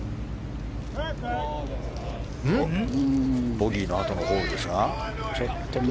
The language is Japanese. ボギーのあとのホールですが。